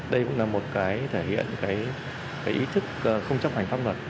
đây cũng là một cái thể hiện cái ý thức không chấp hành pháp luật